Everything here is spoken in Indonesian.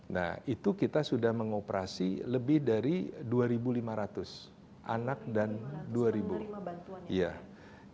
nah itu kita sudah mengoperasi lebih dari dua lima ratus anak dan dua bantuan